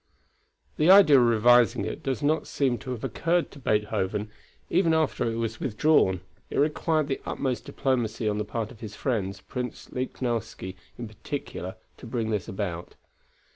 The idea of revising it does not seem to have occurred to Beethoven, even after it was withdrawn; it required the utmost diplomacy on the part of his friends, Prince Lichnowsky in particular, to bring this about.